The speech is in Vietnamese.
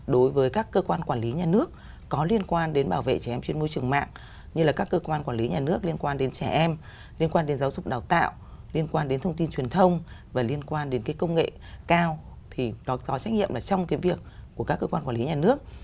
đối với các cơ quan quản lý nhà nước có liên quan đến bảo vệ trẻ em trên môi trường mạng như là các cơ quan quản lý nhà nước liên quan đến trẻ em liên quan đến giáo dục đào tạo liên quan đến thông tin truyền thông và liên quan đến công nghệ cao thì nó có trách nhiệm là trong cái việc của các cơ quan quản lý nhà nước